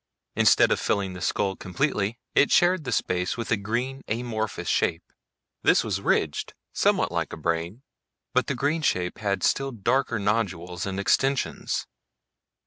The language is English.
Instead of filling the skull completely, it shared the space with a green, amorphous shape. This was ridged somewhat like a brain, but the green shape had still darker nodules and extensions.